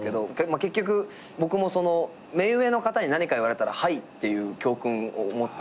結局僕もその目上の方に何か言われたら「はい」って言う教訓を持ってたから。